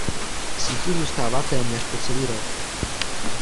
Sníh tu zůstává téměř po celý rok.